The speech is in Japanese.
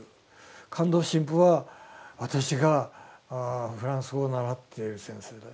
「カンドウ神父は私がフランス語を習っている先生だ」。